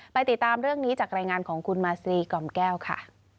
ติดตามเรื่องนี้จากรายงานของคุณมาซีกล่อมแก้วค่ะ